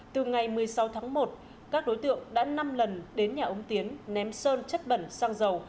từ ngày một mươi sáu tháng một các đối tượng đã năm lần đến nhà ông tiến ném sơn chất bẩn xăng dầu